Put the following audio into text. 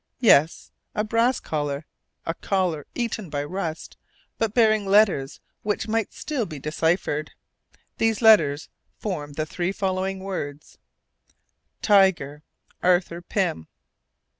Yes! a brass collar, a collar eaten by rust, but bearing letters which might still be deciphered. These letters formed the three following words: "Tiger Arthur Pym."